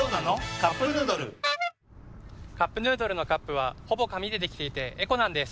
「カップヌードル」「カップヌードル」のカップはほぼ紙でできていてエコなんです。